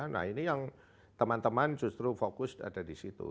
nah ini yang teman teman justru fokus ada di situ